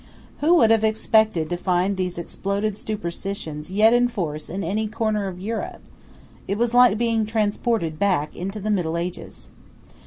Who would have expected to find these exploded superstitions 14 yet in force in any corner of Europe? It was like being transported back into the middle ages.